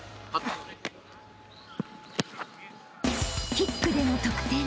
［キックでの得点］